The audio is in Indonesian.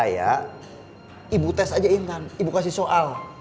ayah ibu tes aja intan ibu kasih soal